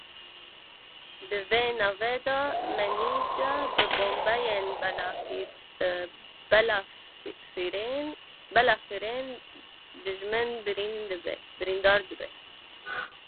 Di vê navê de Menîje bi bombeyên balafirên dijmin birîndar dibe.